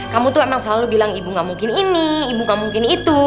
kamu tuh emang selalu bilang ibu gak mungkin ini ibu kamu gini itu